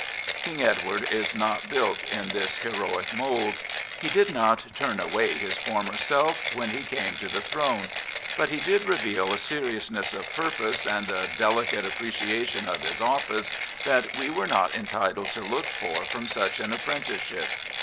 King Edward is not built in this heroic mould. He did not " turn away his former self " when he came to the Throne; but he did reveal a seriousness of pur pose and a delicate appreciation of his office that we were not entitled to look for from such an appren ticeship.